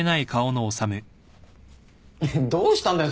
どうしたんだよ